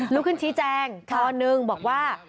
ลุกขึ้นชี้แจงตอนหนึ่งบอกว่า